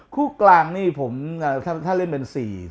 คู่กลางนี่ผมถ้าเล่นเป็น๔